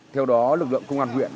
theo đó lực lượng công an huyện